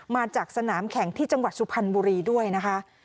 มาจากสนามแข่งที่จังหวัดสุพรรณบุรีด้วยนะคะ